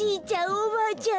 おばあちゃん